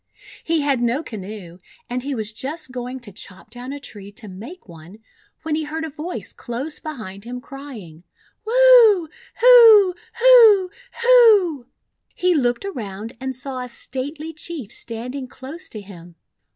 He had no canoe, and he was just going to chop down a tree to make one, when he heard a voice close behind him crying: — "Wu! Hu! Hu! Hu!" He looked around and saw a stately Chief standing close to him.